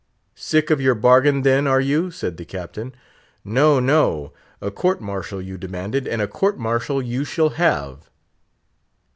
"Sick of your bargain, then, are you?" said the Captain. "No, no! a court martial you demanded, and a court martial you shall have!"